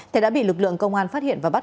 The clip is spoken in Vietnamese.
thì đã bị lực lượng công an phát hiện và bắt